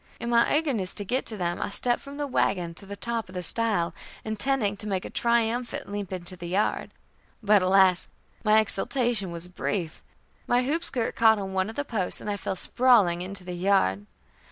In my eagerness to get to them, I stepped from the wagon to the top of the stile, intending to make a triumphant leap into the yard; but, alas! my exultation was brief. My hoop skirt caught on one of the posts, and I fell sprawling into the yard.